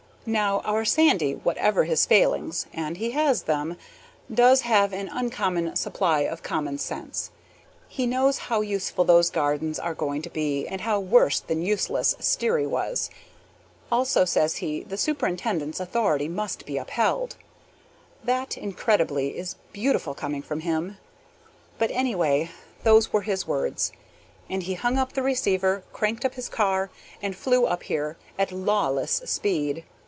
Now, our Sandy, whatever his failings (and he has them), does have an uncommon supply of common sense. He knows how useful those gardens are going to be, and how worse than useless Sterry was. Also says he, "The superintendent's authority must be upheld." (That, incidentally, is beautiful, coming from him.) But anyway, those were his words. And he hung up the receiver, cranked up his car, and flew up here at lawless speed.